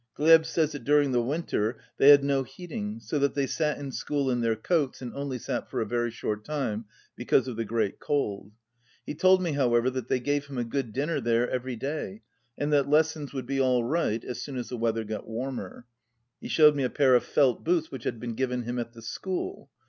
Glyeb says that during the winter they had no heating, so that they sat in school in their coats, and only sat for a very short time, because of the great cold. He told me, however, that they gave him a good dinner there every day, and that les sons would be all right as soon as the weather got warmer. He showed me a pair of felt boots which had been given him at the school.